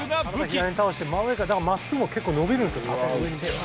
左に倒して真上からだからまっすぐも結構伸びるんですよ縦に。